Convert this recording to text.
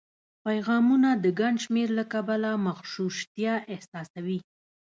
پیغامونو د ګڼ شمېر له کبله مغشوشتیا احساسوي